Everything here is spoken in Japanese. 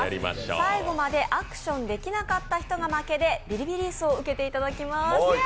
最後までアクションできなかった人が負けで、ビリビリ椅子を受けていただきます。